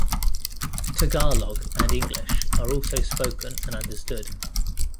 Tagalog and English are also spoken and understood.